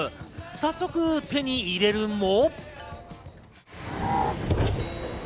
早速、手に入れるも。